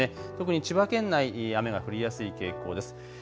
特に千葉県内、雨が降りやすい傾向です。